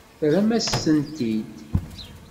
Terram-asen-t-id.